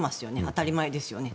当たり前ですよね。